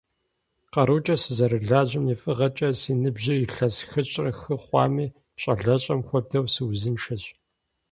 КъарукӀэ сызэрылажьэм и фӀыгъэкӀэ, си ныбжьыр илъэс хыщӏрэ хы хъуами, щӀалэщӀэм хуэдэу, сыузыншэщ.